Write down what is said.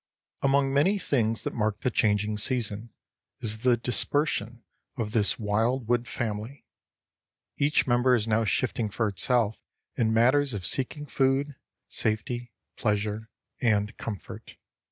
Among many things that mark the changing season, is the dispersion of this wildwood family. Each member is now shifting for itself in matters of seeking food, safety, pleasure, and comfort.